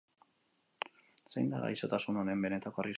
Zein da gaixotasun honen benetako arriskua?